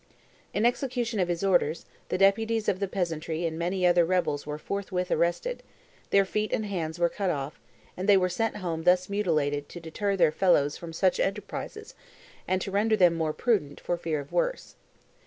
In execution of his orders, the deputies of the peasantry and many other rebels were forthwith arrested; their feet and hands were cut off, and they were sent home thus mutilated to deter their fellows from such enterprises, and to render them more prudent, for fear of worse.